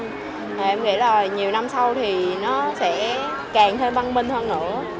em nghĩ là nhiều năm sau thì nó sẽ càng thêm văn minh hơn nữa